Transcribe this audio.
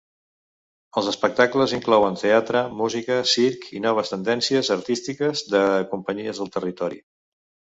Els espectacles inclouen teatre, música, circ i noves tendències artístiques de companyies del territori.